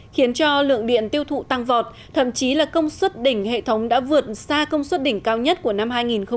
khiến cho lượng điện tiêu thụ tăng vọt thậm chí là công suất đỉnh hệ thống đã vượt xa công suất đỉnh cao nhất của năm hai nghìn một mươi chín